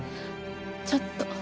ちょっと。